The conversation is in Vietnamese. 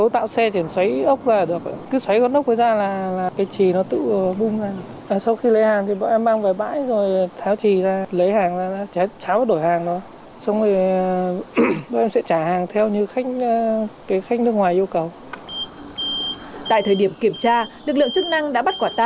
tại thời điểm kiểm tra lực lượng chức năng đã bắt quả tang